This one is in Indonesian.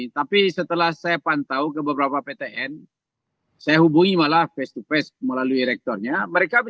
tapi setelah saya pantau ke beberapa ptn saya hubungi malah face to face melalui rektornya